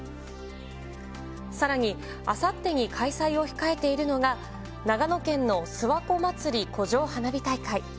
さらにあさってに開催を控えているのが、長野県の諏訪湖祭湖上花火大会。